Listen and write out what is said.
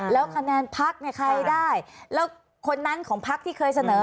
แล้วคะแนนพักเนี่ยใครได้แล้วคนนั้นของพักที่เคยเสนอ